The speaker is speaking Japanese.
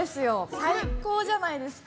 最高じゃないですか。